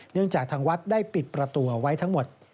เนื่องจากทางวัดได้ปิดประตูเอาไว้ทั้งหมด